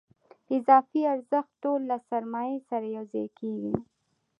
اضافي ارزښت ټول له سرمایې سره یوځای کېږي